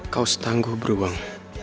kau setangguh beruang